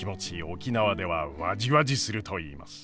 沖縄ではわじわじすると言います。